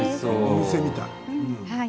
お店みたい。